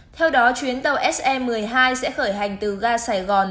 theo đó chuyến tàu se một mươi hai sẽ khởi hành từ ga sài gòn